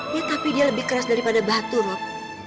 ya tapi dia lebih keras daripada batu rob